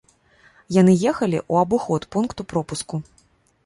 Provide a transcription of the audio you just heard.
Яны ехалі ў абыход пункту пропуску.